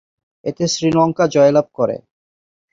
এতে শ্রীলঙ্কা জয়লাভ করে।